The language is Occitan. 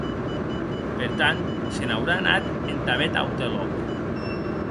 Per tant, se n’aurà anat entà bèth aute lòc.